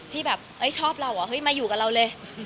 ที่แบบชอบเราเหรอเฮ้ยมาอยู่กับเราเลย